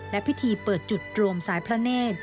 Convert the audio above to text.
และพิธีเปิดจุดรวมสายพระเนธ